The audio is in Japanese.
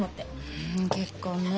うん結婚ねえ。